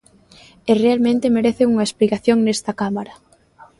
E realmente merecen unha explicación nesta Cámara.